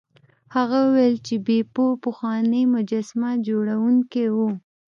هغه وویل چې بیپو پخوانی مجسمه جوړونکی و.